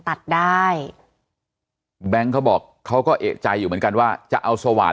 ตัดได้แบงค์เขาบอกเขาก็เอกใจอยู่เหมือนกันว่าจะเอาสว่าน